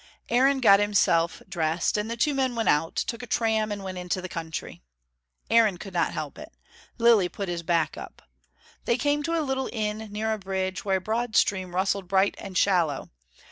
Aaron got himself dressed, and the two men went out, took a tram and went into the country. Aaron could not help it Lilly put his back up. They came to a little inn near a bridge, where a broad stream rustled bright and shallow.